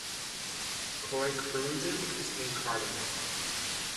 "Koekkruiden" contain cardamom.